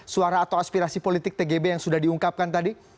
suara atau aspirasi politik tgb yang sudah diungkapkan tadi